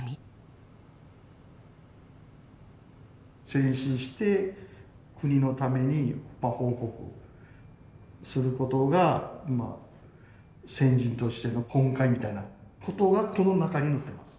戦死した戦死して国のために報国することがせんじんとしての本懐みたいなことがこの中に載ってます。